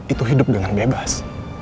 itu hidup dengan bebas